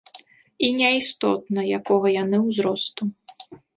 І не істотна, якога яны ўзросту.